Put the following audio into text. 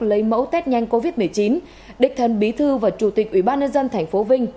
lấy mẫu tết nhanh covid một mươi chín địch thân bí thư và chủ tịch ủy ban nhân dân thành phố vinh